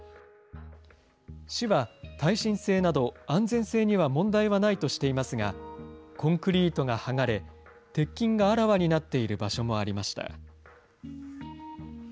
市は耐震性など安全性には問題はないとしていますが、コンクリートが剥がれ、鉄筋があらわになっている場所もありました。